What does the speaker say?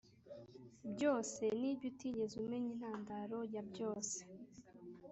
byose nibyutigeze umenya intandaro yabyose